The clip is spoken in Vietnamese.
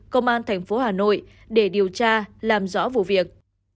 công an tp hà nội để điều tra làm rõ vụ việc